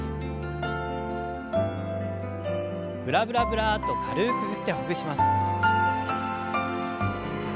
ブラブラブラッと軽く振ってほぐします。